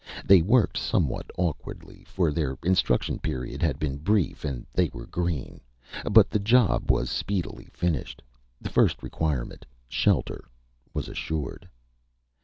They worked somewhat awkwardly, for their instruction period had been brief, and they were green; but the job was speedily finished. The first requirement shelter was assured.